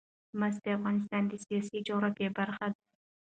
مس د افغانستان د سیاسي جغرافیه برخه ده.